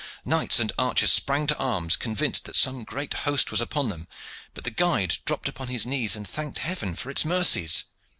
Knights and archers sprang to arms, convinced that some great host was upon them; but the guide dropped upon his knees and thanked Heaven for its mercies.